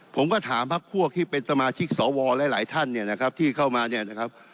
ผมก็ถามพักพวกที่เป็นสมาชิกสวหลายท่านเนี่ยนะครับที่เข้ามาเนี่ยนะครับ